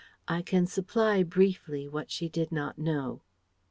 I can supply briefly what she did not know.